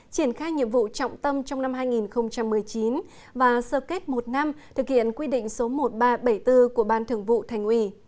triển khai nhiệm vụ trọng tâm trong năm hai nghìn một mươi chín và sơ kết một năm thực hiện quy định số một nghìn ba trăm bảy mươi bốn của ban thường vụ thành ủy